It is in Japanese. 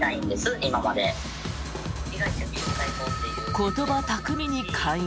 言葉巧みに勧誘。